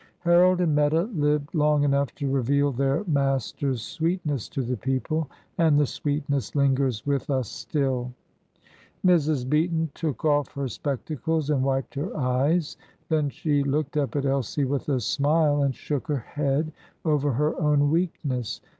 Harold and Meta lived long enough to reveal their Master's sweetness to the people. And the sweetness lingers with us still." Mrs. Beaton took off her spectacles and wiped her eyes. Then she looked up at Elsie with a smile, and shook her head over her own weakness.